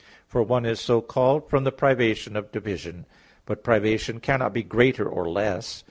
_ For "one" is so called from the privation of division. But privation cannot be greater or less.